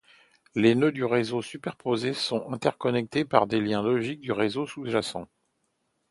Les nœuds du réseau superposé sont interconnectés par des liens logiques du réseau sous-jacent.